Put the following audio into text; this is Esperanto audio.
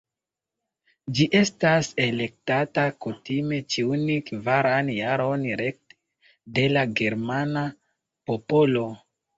Ĝi estas elektata kutime ĉiun kvaran jaron rekte de la germana popolo.